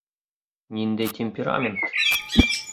Ниндәй темперамент!